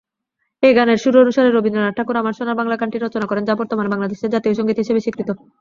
এই গানের সুর অনুসারে রবীন্দ্রনাথ ঠাকুর "আমার সোনার বাংলা" গানটি রচনা করেন, যা বর্তমানে বাংলাদেশের জাতীয় সঙ্গীত হিসেবে স্বীকৃত।